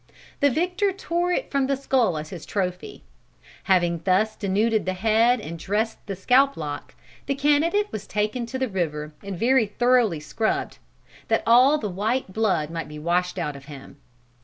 The victor tore it from the skull as his trophy. Having thus denuded the head and dressed the scalp lock, the candidate was taken to the river and very thoroughly scrubbed, that all the white blood might be washed out of him.